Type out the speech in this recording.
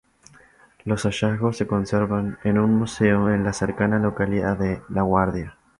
Los hallazgos se conservan en un museo en la cercana localidad de Laguardia.